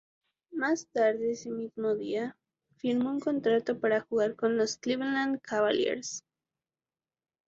Más tarde ese mismo día, firmó un contrato para jugar con los Cleveland Cavaliers.